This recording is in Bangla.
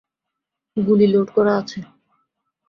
গুলি লোড করা আছে।